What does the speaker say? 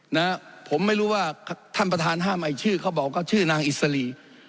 นะผมไม่รู้ว่าท่านประธานห้ามไอ้ชื่อเขาบอกว่าชื่อนางอิสรี